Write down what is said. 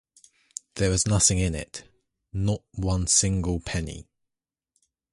There was nothing in it — not one single penny!